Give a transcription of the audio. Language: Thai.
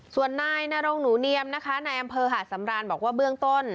ส่วนนายนรงหนูเนียมนะคะนายอำเภอหาดสำรานบอกว่าเบื้องต้น